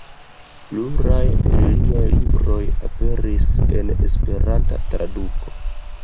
Pluraj el liaj libroj aperis en Esperanta traduko.